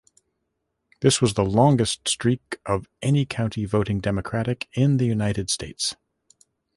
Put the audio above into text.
This was the longest streak of any county voting Democratic in the United States.